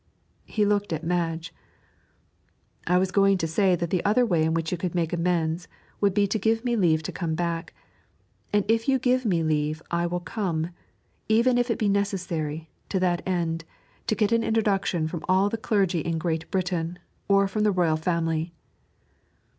He looked at Madge. 'I was going to say that the other way in which you could make amends would be to give me leave to come back; and if you give me leave I will come, even if it be necessary, to that end, to get an introduction from all the clergy in Great Britain, or from the Royal Family.'